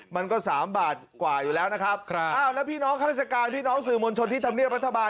มันก็สามบาทกว่าอยู่แล้วนะครับอ้าวแล้วพี่น้องข้าราชการพี่น้องสื่อมวลชนที่ทำเนียบรัฐบาล